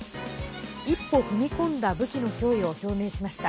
一歩踏み込んだ武器の供与を表明しました。